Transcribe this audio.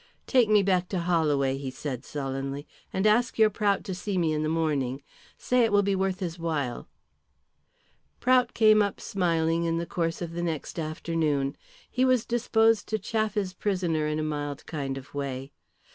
"Take me back to Holloway," he said, sullenly, "and ask your Prout to see me in the morning. Say it will be worth his while." Prout came up smiling in the course of the next afternoon. He was disposed to chaff his prisoner in a mild kind of way.